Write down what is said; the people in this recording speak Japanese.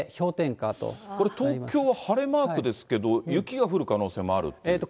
これ、東京は晴れマークですけど、雪が降る可能性もあるということです